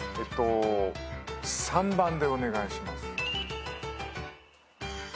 ３番でお願いします。